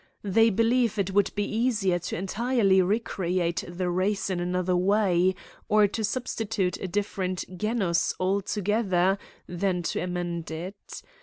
They believe it would be easier to entirely re create the . race in another way, or to substitute a different " genus " altogether, than to amend it.